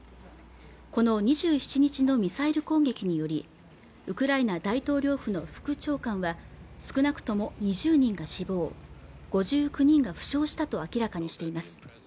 この２７日のミサイル攻撃によりウクライナ大統領府の副長官は少なくとも２０人が死亡５９人が負傷したと明らかにしています